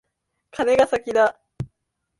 カネが先だ。